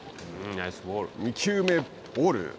２球目、ボール。